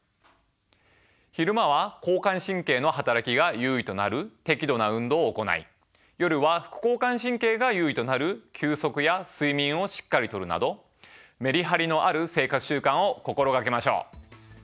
昼間は交感神経のはたらきが優位となる適度な運動をおこない夜は副交感神経が優位となる休息や睡眠をしっかりとるなどメリハリのある生活習慣を心掛けましょう！